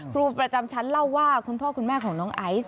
ครูประจำชั้นเล่าว่าคุณพ่อคุณแม่ของน้องไอซ์